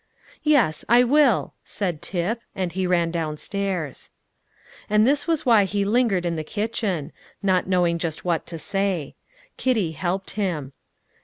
"Yes, I will," said Tip, and he ran downstairs. And this was why he lingered in the kitchen, not knowing just what to say. Kitty helped him.